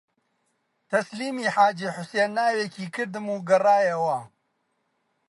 تەسلیمی حاجی حوسێن ناوێکی کردم و گەڕایەوە